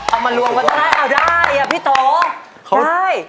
เอามาลวงวันตลาดเอาได้อะพี่โต๊ะได้